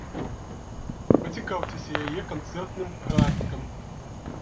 Пацікаўцеся яе канцэртным графікам!